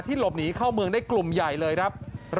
หลบหนีเข้าเมืองได้กลุ่มใหญ่เลยครับ